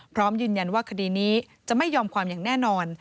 พร้อมยืนยันว่าคดีนี้จะไม่ยอมความอย่างแน่นอน